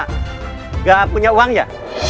tidak punya uang ya